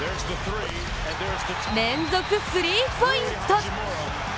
連続スリーポイント！